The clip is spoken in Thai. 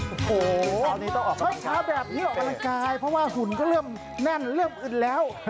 โอ้โหเช้าแบบนี้ออกกำลังกายเพราะว่าหุ่นก็เริ่มแน่นเริ่มอึนแล้ว